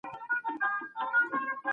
لوستې مور د کور د کثافاتو جلا کول زده وي.